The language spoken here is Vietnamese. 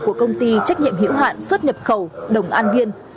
của công ty trách nhiệm hiểu hạn xuất nhập khẩu đồng an viên